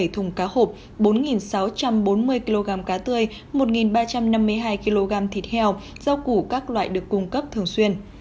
bảy thùng cá hộp bốn sáu trăm bốn mươi kg cá tươi một ba trăm năm mươi hai kg thịt heo rau củ các loại được cung cấp thường xuyên